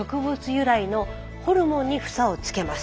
由来のホルモンに房をつけます。